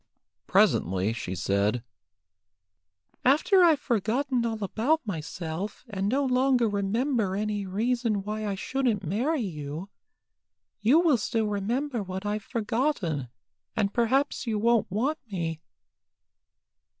Presently she said "After I've forgotten all about myself, and no longer remember any reason why I shouldn't marry you, you will still remember what I've forgotten, and perhaps you won't want me."